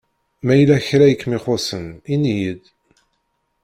Ma yella kra i kem-ixuṣsen ini-yi-d!